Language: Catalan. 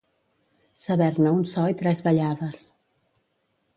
Saber-ne un so i tres ballades.